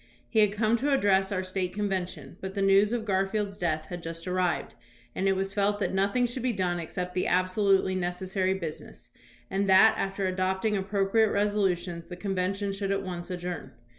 He had come to address our State convention, but the news of Garfield's death had just arrived, and it was felt that nothing should be done except the absolutely necessary business, and that, after adopting appro priate resolutions, the convention should at once ad journ.